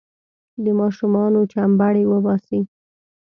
د ماشومانو چمبړې وباسي.